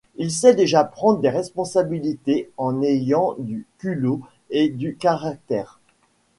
Il sait déjà prendre des responsabilités en ayant du culot et du caractère.